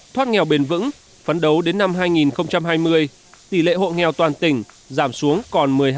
thoát nghèo bền vững phấn đấu đến năm hai nghìn hai mươi tỷ lệ hộ nghèo toàn tỉnh giảm xuống còn một mươi hai